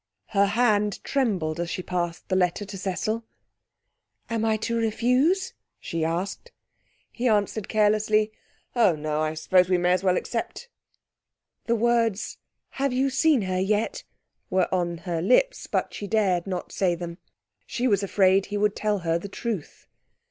Her hand trembled as she passed the letter to Cecil. 'Am I to refuse?' she asked. He answered carelessly 'Oh, no! I suppose we may as well accept.' The words 'Have you seen her yet?' were on her lips, but she dared not say them. She was afraid he would tell her the truth.